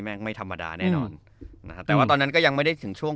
งไม่ธรรมดาแน่นอนนะครับแต่ว่าตอนนั้นก็ยังไม่ได้ถึงช่วง